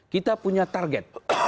kita punya target